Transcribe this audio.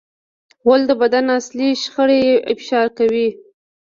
غول د بدن داخلي شخړې افشا کوي.